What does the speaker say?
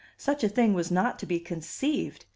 Such a thing was not to be conceived.